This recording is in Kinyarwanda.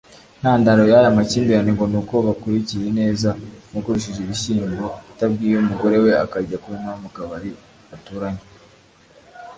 Intandaro y’aya makimbirane ngo nuko Bakurikiyineza yagurishije ibishyimbo atabwiye umugore we akajya kunywa mu kabari baturanye